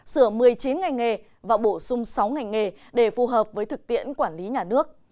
sửa một mươi chín ngành nghề và bổ sung sáu ngành nghề để phù hợp với thực tiễn quản lý nhà nước